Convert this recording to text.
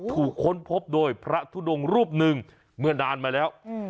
ค้นพบโดยพระทุดงรูปหนึ่งเมื่อนานมาแล้ว